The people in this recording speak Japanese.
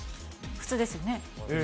普通ですよ。